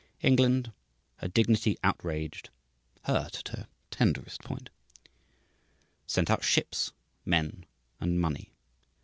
England, her dignity outraged, hurt at her tenderest point, sent out ships, men and money.